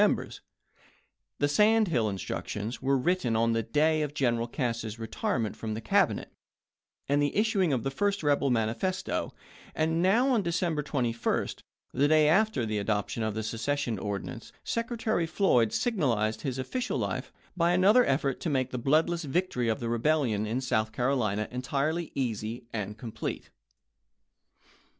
Members ; the " sand hill " instructions were writ ten on the day of General Cass's retirement from the Cabinet, and the issuing of the first rebel manifesto; and now on December 21st, the day after the adoption of the secession ordinance, Secretary Floyd signalized his official life by another effort to make the bloodless victory of the rebellion in South Carolina entirely easy and com plete.